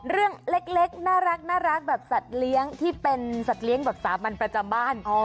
เรื่องเล็กน่ารักแบบสัตว์เลี้ยงที่เป็นสัตว์เลี้ยงแบบสามัญประจำบ้าน